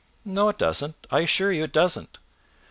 "No it doesn't; I assure you it doesn't.